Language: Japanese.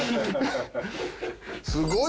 すごい！